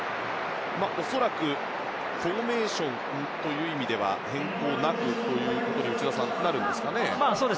恐らくフォーメーションという意味では変更がなくということになるんですかね、内田さん。